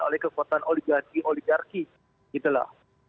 oleh kekuatan oligarki oligarki oligarki oligarki